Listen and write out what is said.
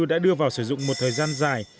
đã đưa vào sử dụng một thời gian dài